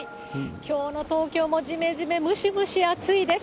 きょうの東京もじめじめ、ムシムシ暑いです。